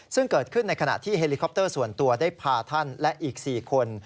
ซึ่งเกิดขึ้นในขณะที่เฮลิคอปเตอร์ส่วนตัวได้พาท่านและอีก๔คน